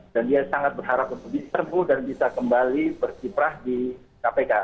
dan dia sangat berharap untuk disembuh dan bisa kembali bercipras di kpk